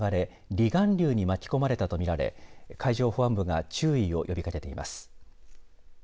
離岸流に巻き込まれたと見られ海上保安部が注意を呼びかけています。